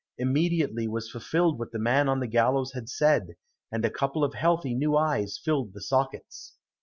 Immediately was fulfilled what the man on the gallows had said, and a couple of healthy new eyes filled the sockets.